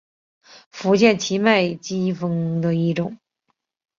福建畸脉姬蜂的一种。